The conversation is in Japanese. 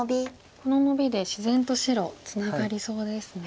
このノビで自然と白ツナがりそうですね。